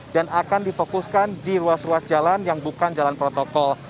dan akan difokuskan di ruas ruas jalan yang bukan jalan protokol